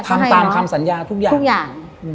ก็ให้น้องทางตามคำสัญญาทุกอย่างทุกอย่างอืม